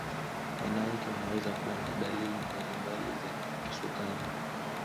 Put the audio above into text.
wanawake wanaweza kuwa na dalili mbalimbali za kisukari